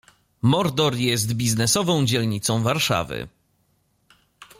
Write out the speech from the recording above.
Mordor jest biznesową dzielnicą Warszawy.